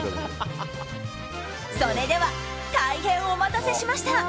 それでは大変お待たせしました。